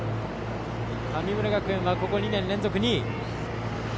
神村学園はここ２年連続２位。